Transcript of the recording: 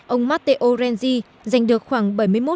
ông matteo renzi giành được khoảng